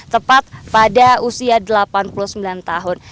tepat pada usia delapan puluh sembilan tahun